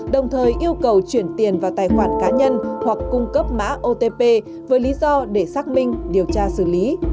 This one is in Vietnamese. đồng thời yêu cầu chuyển tiền vào tài khoản cá nhân hoặc cung cấp mã otp với lý do để xác minh điều tra xử lý